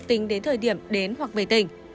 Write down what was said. tính đến thời điểm đến hoặc về tỉnh